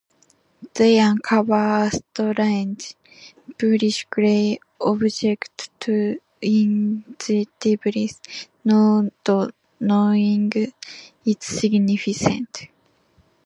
They uncover a strange, bluish-gray object in the debris, not knowing its significance.